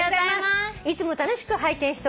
「いつも楽しく拝見しております」